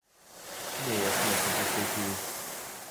Nie jest niestety w tej chwili